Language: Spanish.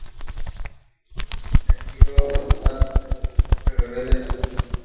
En este sentido, la preferencia no se revela en absoluto.